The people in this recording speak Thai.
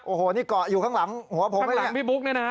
โอ้โหนี่เกาะอยู่ข้างหลังหัวผมข้างหลังพี่บุ๊กเนี่ยนะฮะ